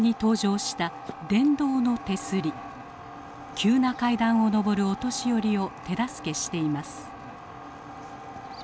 急な階段を上るお年寄りを手助けしています。